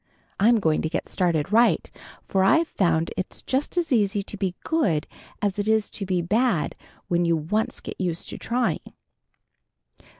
I'm going to get started right, for I've found it's just as easy to be good as it is to be bad when you once get used to trying."